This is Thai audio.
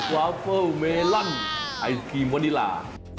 วาเฟิลเมลอนไอศครีมวานิลา